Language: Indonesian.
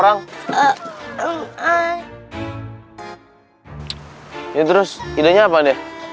depan orang seharusnya society